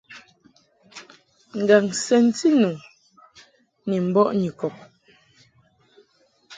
Ngaŋ sɛnti nu ni mbɔʼ Nyikɔb.